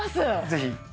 ぜひ。